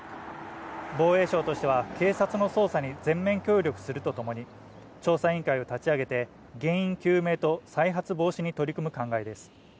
防衛省としては、警察の捜査に全面協力するとともに調査委員会を立ち上げて原因究明と再発防止に取り組む考えです。